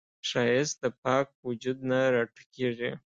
ښایست د پاک وجود نه راټوکېږي